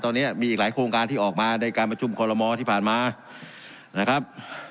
ตอนนี้มีอีกหลายโครงการที่ออกมาในการประชุมคอลโมที่ผ่านมานะครับ